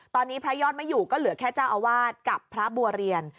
ตอนนี้พระยอดไม่อยู่ก็เหลือแค่เจ้าอาวาสกับพระบัวเรียน